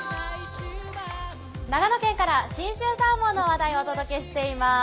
長野県から信州サーモンの話題をお届けしています。